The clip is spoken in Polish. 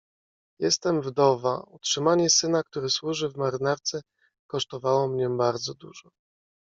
"Jestem wdowa, utrzymanie syna, który służy w marynarce, kosztowało mnie bardzo dużo."